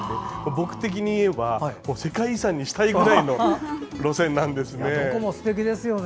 僕的に言えば世界遺産にしたいぐらいの路線なんですね。